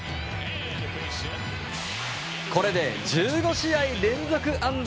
これで１５試合連続安打。